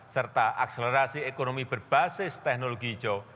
serta akselerasi ekonomi berbasis teknologi hijau